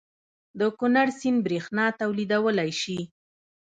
د کنړ سیند بریښنا تولیدولی شي؟